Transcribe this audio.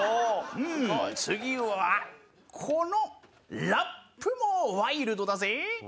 うーん次はこのラップもワイルドだぜぇ。